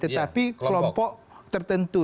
tetapi kelompok tertentu